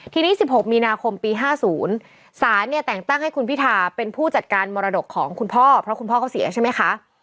ทีนี้๑๖มีนาคมปี๕๐ศาลเนี่ยแต่งตั้งให้คุณพิธาเป็นผู้จัดการมรดกของคุณพ่อเพราะคุณพ่อเขาเสียใช่ไหมคะ